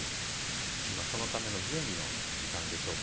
今そのための準備の時間でしょうか。